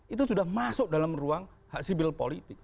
itu sudah masuk dalam ruang hak sipil politik